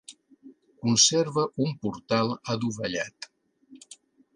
Conserva un portal adovellat.